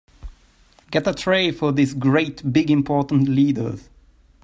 Get a tray for these great big important leaders.